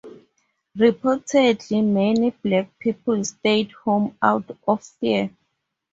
Reportedly many black people stayed home out of fear.